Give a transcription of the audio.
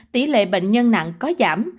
tỷ lệ bệnh nhân nặng có giảm